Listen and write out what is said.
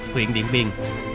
huyện điện biên